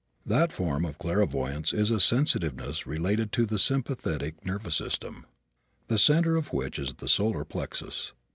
That form of clairvoyance is a sensitiveness related to the sympathetic nervous system, the center of which is the solar plexus.